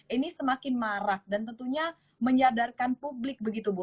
ini semakin marak dan tentunya menyadarkan publik begitu bu